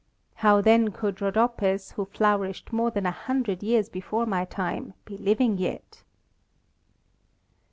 How then could Rhodopis, who flourished more than a hundred years before my time, be living yet?